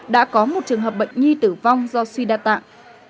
đã có một trường hợp bệnh nhi tử vong do suy đa tạng